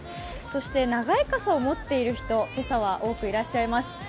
そして長い傘を持っている人、今朝は多くいらっしゃいます。